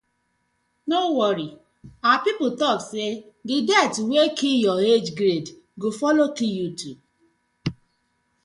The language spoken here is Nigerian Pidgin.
No worry, our pipu tok say di death wey di kill yah age grade go follow kill yu too.